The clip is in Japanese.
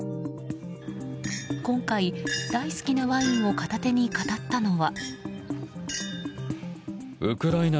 今回、大好きなワインを片手に語ったのは。